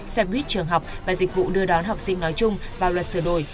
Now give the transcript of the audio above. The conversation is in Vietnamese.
xe buýt trường học và dịch vụ đưa đón học sinh nói chung vào luật sửa đổi